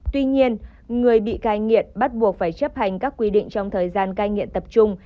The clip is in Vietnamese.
tuy nhiên người bị cai nghiện bắt buộc phải chấp hành các quy định trong thời gian cai nghiện tập trung